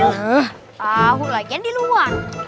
tahu lagi ya di luar